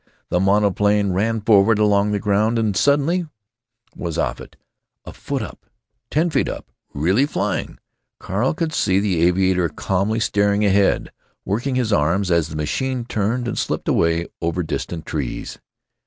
The monoplane ran forward along the ground, and suddenly was off it, a foot up, ten feet up—really flying. Carl could see the aviator calmly staring ahead, working his arms, as the machine turned and slipped away over distant trees.